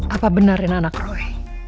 apa benar ini anak roy